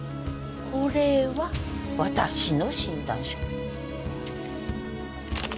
これは私の診断書。